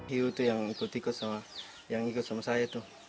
ibu itu yang ikut ikut sama saya